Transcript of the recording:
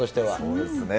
そうですね。